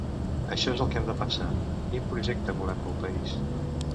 Això és el que hem de pensar: quin projecte volem pel país.